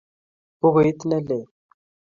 Bukuit ne lel.